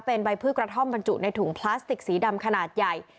เป็นใบพืชกระท่อมบรรจุในถุงพลาสติกสีดำขนาดใหญ่